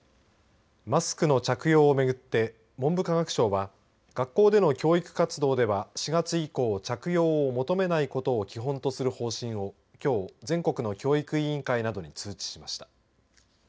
マスクの着用を巡って文部科学省は学校での教育活動では４月以降、着用を求めないことを基本とする方針をきょう、全国の教育委員会などに通知しました。